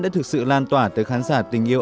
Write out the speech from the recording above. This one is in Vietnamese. đã thực sự lan tỏa tới khán giả tình yêu